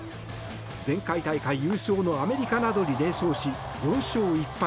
前回大会優勝のアメリカなどに連勝し、４勝１敗。